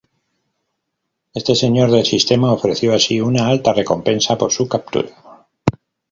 Este Señor del Sistema ofreció así una alta recompensa por su captura.